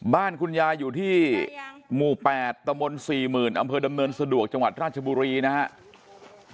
บ้านคุณยายอยู่ที่หมู่๘ตม๔๐๐๐๐บดำเนินสะดวกจังหวัดราชบุรีนะฮะ